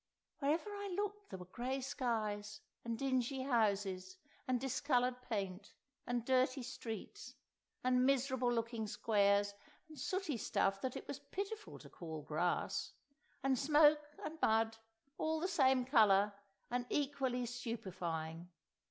Wherever I looked there were grey skies, and dingy houses, and discoloured paint, and dirty streets, and miserable looking squares and sooty stuff that it was pitiful to call grass, and smoke and mud all the same colour and equally stupefying.